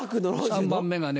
３番目がね